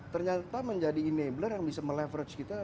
ternyata menjadi enabler yang bisa me leverage kita